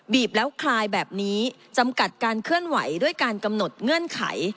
แล้วคลายแบบนี้จำกัดการเคลื่อนไหวด้วยการกำหนดเงื่อนไข